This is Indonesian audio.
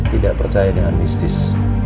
tidak percaya dengan mistis